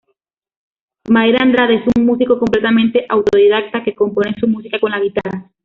Mayra Andrade es una músico completamente autodidacta que compone su música con la guitarra.